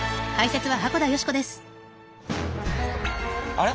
あれ？